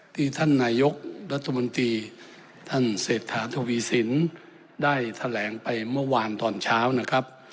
ท่านนายกรัฐมนตรีท่านเศรษฐาทวีสินได้แถลงไปเมื่อวานตอนเช้านะครับ